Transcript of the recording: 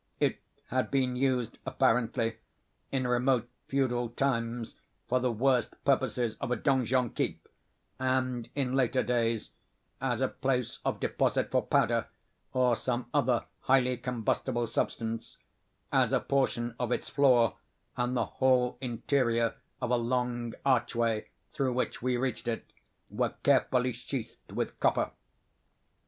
It had been used, apparently, in remote feudal times, for the worst purposes of a donjon keep, and, in later days, as a place of deposit for powder, or some other highly combustible substance, as a portion of its floor, and the whole interior of a long archway through which we reached it, were carefully sheathed with copper.